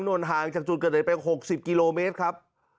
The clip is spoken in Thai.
โดนห่างจากจุดกระเด็นไปหกสิบกิโลเมตรครับ